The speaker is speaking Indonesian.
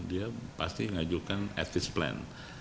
dia akan menggunakan advice plan